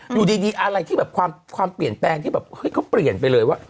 หรือดีดีอะไรที่แบบความความแปลงที่แบบเฮ้ยเขาเปลี่ยนไปเลยว่ะ